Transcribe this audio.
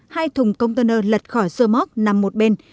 hai thùng container lật khỏi sơ móc nằm một bên